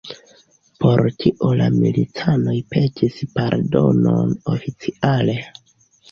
Por tio la milicanoj petis pardonon oficiale.